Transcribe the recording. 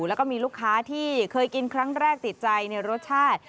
แล้วก็มีลูกค้าที่เคยกินครั้งแรกติดใจในรสชาติ